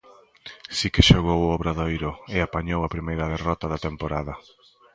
Si que xogou o Obradoiro, e apañou a primeira derrota da temporada.